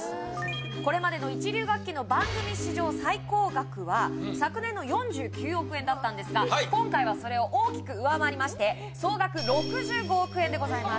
これまでの一流楽器の番組史上最高額は昨年の４９億円だったんですが今回はそれを大きく上回りまして総額６５億円でございます